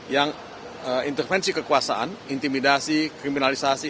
yang intervensi kekuasaan intimidasi kriminalisasi